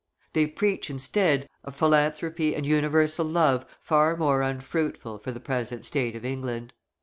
They preach instead, a philanthropy and universal love far more unfruitful for the present state of England.